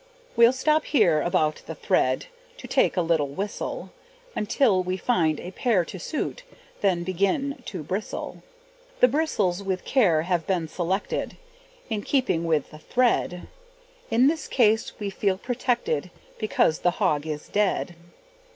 We'll stop here about the thread, To take a little whistle, Until we find a pair to suit, Then begin to bristle. The bristles with care have been selected, In keeping with the thread, In this case we feel protected, Because the hog is dead.